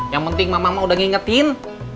yang penting mama udah ngingetin